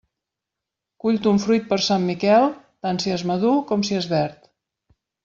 Cull ton fruit per Sant Miquel, tant si és madur com si és verd.